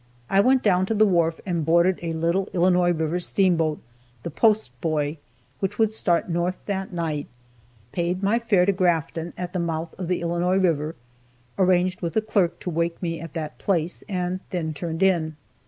I went down to the wharf and boarded a little Illinois river steamboat, the Post Boy, which would start north that night, paid my fare to Grafton, at the mouth of the Illinois river, arranged with the clerk to wake me at that place, and then turned in.